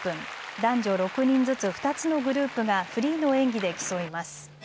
男女６人ずつ２つのグループがフリーの演技で競います。